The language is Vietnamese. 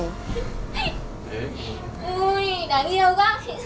ui đáng yêu quá